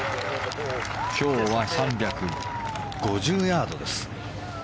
今日は３５０ヤードです。